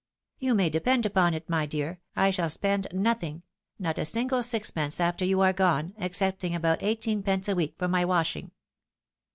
You may depend upon it, my dear, I shall spend nothing — not a single sixpence after you are gone, excepting about eighteenpence a week for my washing."